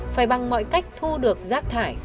phải bằng mọi cách thu được rác thải